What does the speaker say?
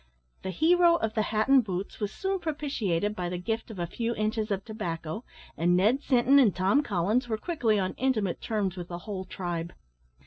The hero of the hat and boots was soon propitiated by the gift of a few inches of tobacco, and Ned Sinton and Tom Collins were quickly on intimate terms with the whole tribe.